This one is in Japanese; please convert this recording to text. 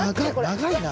長いな。